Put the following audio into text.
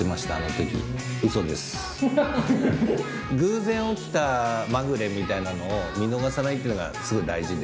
偶然起きたまぐれみたいなのを見逃さないっていうのがすごい大事で。